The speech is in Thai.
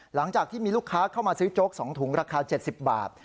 หลังจากที่มีลูกค้าเข้ามาซื้อโจ๊ก๒ถุงราคา๗๐บาท